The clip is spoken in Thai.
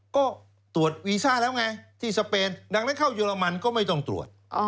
ก็ตรวจวีซ่าแล้วไงที่สเปนดังนั้นเข้าเยอรมันก็ไม่ต้องตรวจ